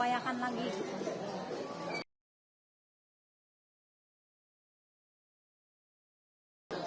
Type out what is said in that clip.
dan mengungkapkan tiga dpo